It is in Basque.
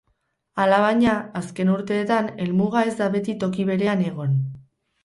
Alabaina, azken urteetan helmuga ez da beti toki berean egon.